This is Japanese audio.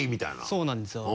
そうなんですよ。